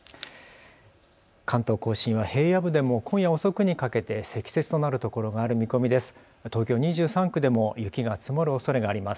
関東甲信は平野部でも今夜遅くにかけて積雪となるところがある見込みです。